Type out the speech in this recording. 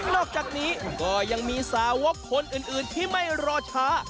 อกจากนี้ก็ยังมีสาวกคนอื่นที่ไม่รอช้า